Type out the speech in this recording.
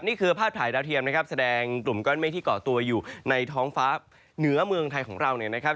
นี่คือภาพถ่ายดาวเทียมนะครับแสดงกลุ่มก้อนเมฆที่เกาะตัวอยู่ในท้องฟ้าเหนือเมืองไทยของเราเนี่ยนะครับ